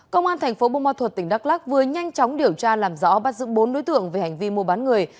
công an thành phố bô ma thuật tỉnh đắk lắc vừa nhanh chóng điều tra làm rõ bắt giữ bốn đối tượng về hành vi mua bán người